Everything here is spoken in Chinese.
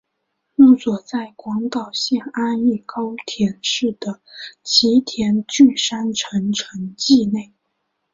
墓所在广岛县安艺高田市的吉田郡山城城迹内。